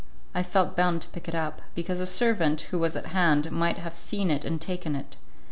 I felt bound to pick it up, because a servant, who was at hand, might have seen it and taken it.